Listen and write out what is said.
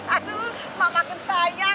aduh mama kesayang